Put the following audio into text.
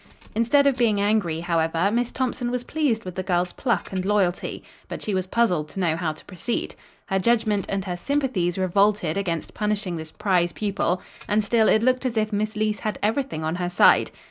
Instead of being angry, however, Miss Thompson was pleased with the girl's pluck and loyalty. But she was puzzled to know how to proceed. Her judgment and her sympathies revolted against punishing this prize pupil, and still it looked as if Miss Leece had everything on her side.